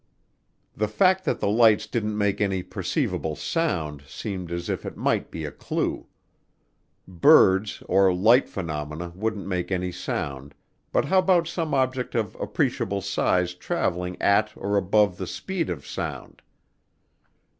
The fact that the lights didn't make any perceivable sound seemed as if it might be a clue. Birds or light phenomena wouldn't make any sound, but how about some object of appreciable size traveling at or above the speed of sound?